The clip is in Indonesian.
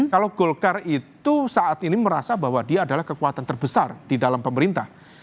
kalau golkar itu saat ini merasa bahwa dia adalah kekuatan terbesar di dalam pemerintah